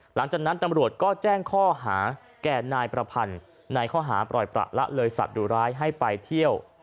หลังจากนั้นตำรวจก็แจ้งข้อหาแก่นายประพันธ์ในข้อหาปล่อยประละเลยสัตว์ดุร้ายให้ไปเที่ยว